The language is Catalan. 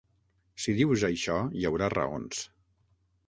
Si dius això, hi haurà raons.